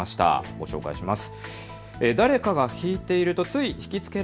ご紹介します。